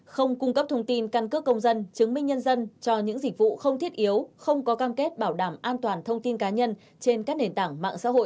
không cung cấp thông tin căn cước công dân chứng minh nhân dân cho những dịch vụ không thiết yếu không có cam kết bảo đảm an toàn thông tin cá nhân trên các nền tảng mạng xã hội